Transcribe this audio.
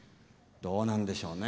どうなんでしょうね。